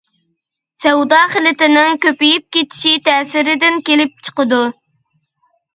سەۋدا خىلىتىنىڭ كۆپىيىپ كېتىشى تەسىرىدىن كېلىپ چىقىدۇ.